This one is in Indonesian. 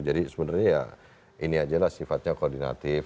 jadi sebenarnya ya ini aja lah sifatnya koordinatif